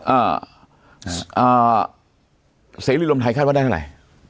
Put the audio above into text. อ่าเสรีริยุลมไทยคาดว่าได้เท่าไหร่